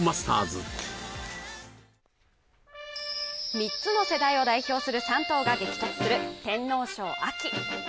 ３つの世代を代表する３頭が激突する天皇賞。